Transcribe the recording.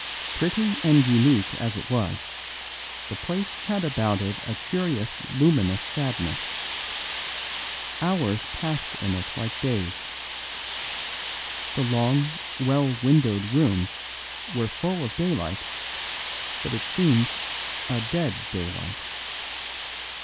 Pretty and unique as it was, the place had about it a curious luminous sadness. Hours passed in it like days. The long, well windowed rooms were full of daylight, but it seemed a dead daylight.